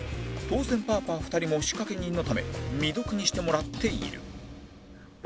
当然パーパー２人も仕掛け人のため未読にしてもらっている